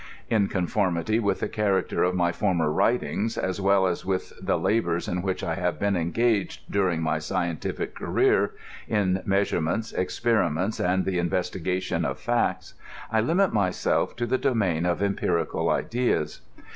In conformity with the character of my former writings, as well as with the labors in which I have been engaged during my scientific career, in measurements, experiments, and the investigation of facts, I limit myself to the domain of empirical ideas.